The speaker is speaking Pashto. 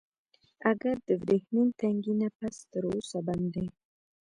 اگه د ورېښمين تنګي نه پس تر اوسه بند دی.